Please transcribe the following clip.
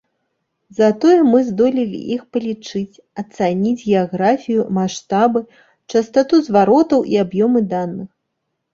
Затое мы здолелі іх палічыць, ацаніць геаграфію, маштабы, частату зваротаў і аб'ёмы даных.